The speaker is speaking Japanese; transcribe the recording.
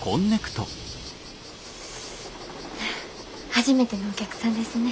初めてのお客さんですね。